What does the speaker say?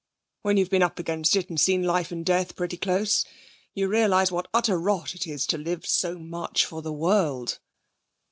When you've been up against it, and seen life and death pretty close, you realise what utter rot it is to live so much for the world.'